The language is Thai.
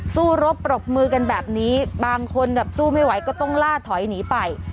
สู้รบปรบมือกันแบบนี้บางคนแบบสู้ไม่ไหวก็ต้องล่าถอยหนีไป